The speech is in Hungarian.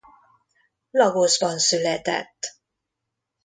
Lagosban született.